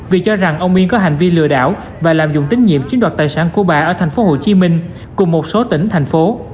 vì cho rằng ông miên có hành vi lừa đảo và lạm dụng tín nhiệm chiếm đoạt tài sản của bà ở tp hcm cùng một số tỉnh thành phố